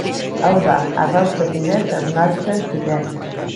Hau da, arrautzen bidez ernaltzen ziren.